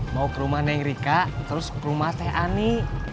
mau ke rumah neng rika terus ke rumah teh ani